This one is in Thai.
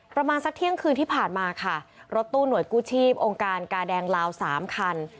ประมาณสักเที่ยงคืนที่ผ่านมาค่ะรถตู้หน่วยกู้ชีพองค์การกาแดงลาว๓คัน